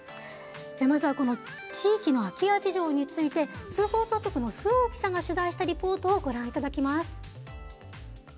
まずはこの地域の空き家事情について津放送局の周防記者が取材したリポートをご覧いただきます。